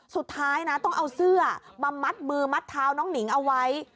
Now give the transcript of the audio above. สุดท้ายนะต้องเอาเสื้อมามัดมือมัดเท้าน้องหนิงเอาไว้